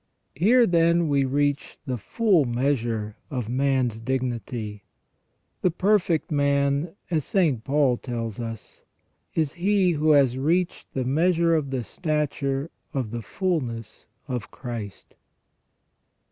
Here, then, we reach the full measure of man's dignity. The perfect man, as St Paul tells us, is he who has reached the measure of the stature of the fulness of Christ.